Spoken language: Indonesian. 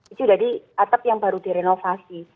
itu dari atap yang baru direnovasi